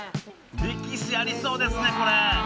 歴史ありそうですねこれ。